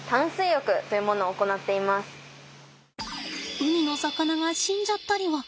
海の魚が死んじゃったりは。